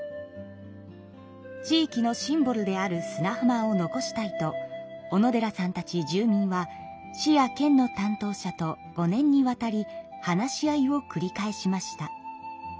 地域のシンボルである砂浜を残したいと小野寺さんたち住民は市や県の担当者と５年にわたり話し合いをくり返しました。